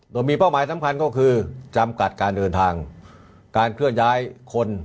โดยมีเป้าหมายสำคัญก็คือจำกัดการเดินทางการเคลื่อนย้ายคน